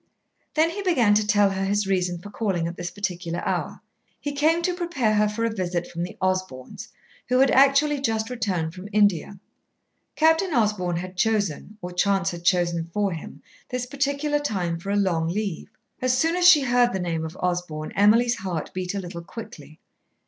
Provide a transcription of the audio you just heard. Then he began to tell her his reason for calling at this particular hour. He came to prepare her for a visit from the Osborns, who had actually just returned from India. Captain Osborn had chosen, or chance had chosen for him, this particular time for a long leave. As soon as she heard the name of Osborn, Emily's heart beat a little quickly.